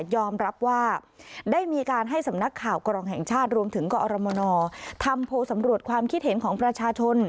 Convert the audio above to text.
ยอมรับว่าได้มีการให้สำนักข่าวกรองแห่งชาติรวมถึงกอรมนทำโพลสำรวจความคิดเห็นของประชาชน